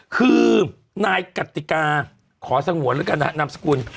คือนายกติกาขอสังหวัดแล้วกันนามสกุล